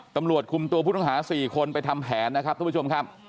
ตำรวจคุมตัวผู้ต้องหา๔คนไปทำแผนนะครับทุกผู้ชมครับ